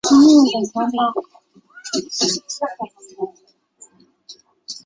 褐头凤鹛。